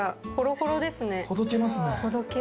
ほどけますね。